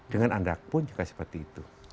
dengan anda pun seperti itu